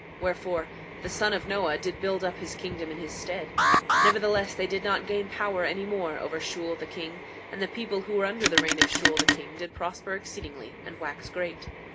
7:19 Wherefore, the son of Noah did build up his kingdom in his stead; nevertheless they did not gain power any more over Shule the king, and the people who were under the reign of Shule the king did prosper exceedingly and wax great.